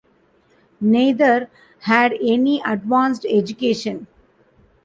Neither had any advanced education.